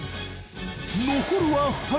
残るは２人。